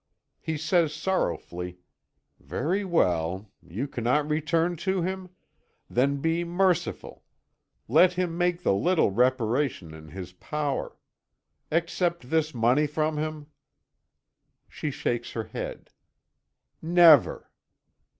He says sorrowfully: "Very well. You cannot return to him? Then be merciful, let him make the little reparation in his power. Accept this money from him." She shakes her head: "Never!"